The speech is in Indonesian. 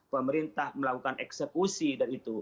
pemerintah melakukan eksekusi dan itu